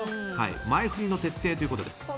前振りの徹底ということです。